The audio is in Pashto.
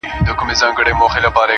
o راډيو.